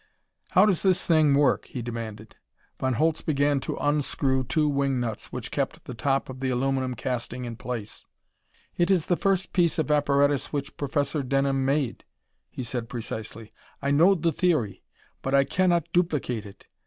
"How does this thing work?" he demanded. Von Holtz began to unscrew two wing nuts which kept the top of the aluminum casting in place. "It is the first piece of apparatus which Professor Denham made," he said precisely. "I know the theory, but I cannot duplicate it.